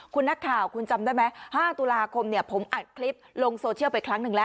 คุณนักข่าวคุณจำได้ไหม๕ตุลาคมผมอัดคลิปลงโซเชียลไปครั้งหนึ่งแล้ว